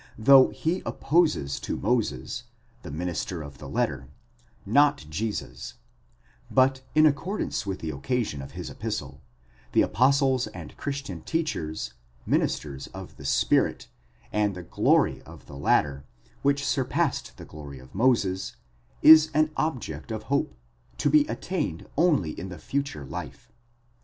though he opposes to Moses, the minister of the letter, διάκονος Tod γράμματος, not Jesus, but, in accordance with the occasion of his epistle, the apostles and Christian teachers, ministers of the spirit, διακόνους Tod πνεύματος, and the g/ory, δόξα, of the latter, which surpassed the glory of Moses, is an object of ope, ἐλπίς, to be attained only in the future life.